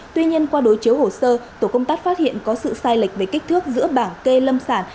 tuy nhiên qua đối chiếu hồ sơ tổ công tác phát hiện có sự sai lệch về kích thước giữa bảng kê lâm sản